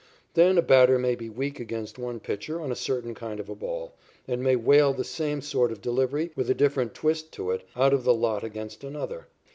Then a batter may be weak against one pitcher on a certain kind of a ball, and may whale the same sort of delivery, with a different twist to it, out of the lot against another.